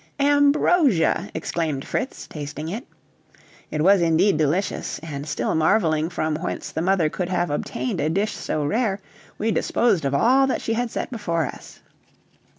"Ambrosia!" exclaimed Fritz, tasting it. It was indeed delicious, and, still marveling from whence the mother could have obtained a dish so rare, we disposed of all that she had set before us.